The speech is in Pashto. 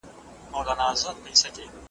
رسنۍ د فساد په وړاندې په مبارزه کې رول لري.